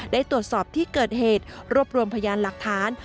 ได้ตรวจสอบที่เกิดเหตุรวบรวมพยานหลักฐาน